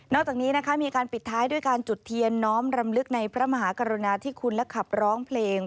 จากนี้นะคะมีการปิดท้ายด้วยการจุดเทียนน้อมรำลึกในพระมหากรุณาที่คุณและขับร้องเพลง